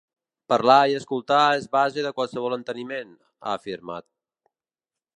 Parlar i escoltar és base de qualsevol enteniment, ha afirmat.